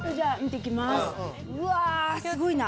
うわすごいな。